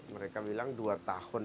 mereka bilang dua tahun